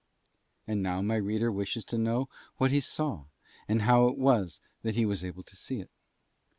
And now my reader wishes to know what he saw and how it was that he was able to see it.